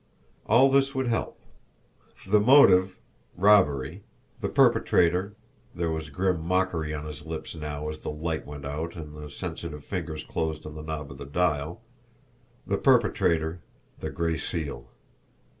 All this would help. The motive robbery; the perpetrator, there was grim mockery on his lips now as the light went out and the sensitive fingers closed on the knob of the dial, the perpetrator the Gray Seal.